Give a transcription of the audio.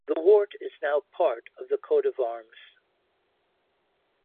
The Warte is now part of the coat of arms.